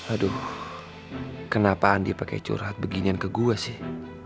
aduh kenapa andi pake curhat beginian ke gue sih